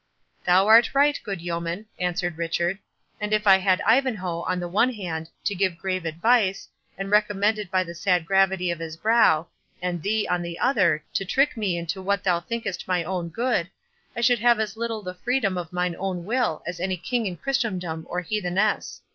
"Thou art right, good yeoman," answered Richard; "and if I had Ivanhoe, on the one hand, to give grave advice, and recommend it by the sad gravity of his brow, and thee, on the other, to trick me into what thou thinkest my own good, I should have as little the freedom of mine own will as any king in Christendom or Heathenesse.